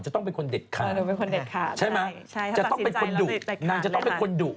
้จะต้องเป็นคนเด็ดขาด